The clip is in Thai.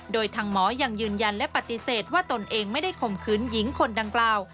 โดยทางหมอยังยืนยันและปฏิเสธว่าตนเองไม่ได้ข่มขืนหญิงคนดังกล่าว